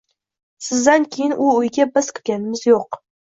Sizdan keyin u uyga biz kirganimiz yoʻq.